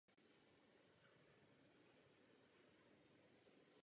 Rozhodne se především na to zaměřit a společně s Peterem pracují dlouho do noci.